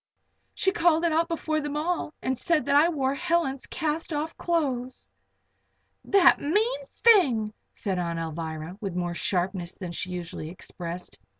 She called it out before them all, and said that I wore Helen's cast off clothes!" "The mean thing!" said Aunt Alvirah, with more sharpness then she usually expressed.